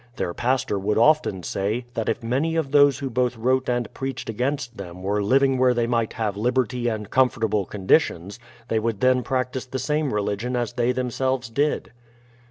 Their pastor would often say, that if many of those who both wrote and preached against them were living where they might have liberty and comfortable conditions, they would then prac tice the same religion as they themselves did.